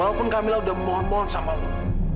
walaupun kamila udah memohon mohon sama lo